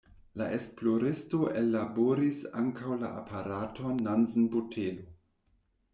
La esploristo ellaboris ankaŭ la aparaton Nansen-botelo.